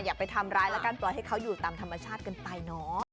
อย่าไปทำร้ายแล้วกันปล่อยให้เขาอยู่ตามธรรมชาติกันไปเนาะ